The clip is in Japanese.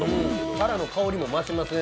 タラの香りも増しますね。